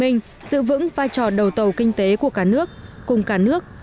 ninh giữ vững vai trò đầu tàu kinh tế của cả nước cùng cả nước